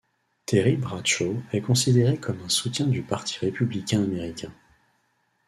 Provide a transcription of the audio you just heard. Terry Bradshaw est considéré comme un soutien du Parti républicain américain.